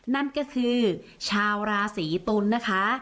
นั่นก็คือชาวราศีตุลนะคะ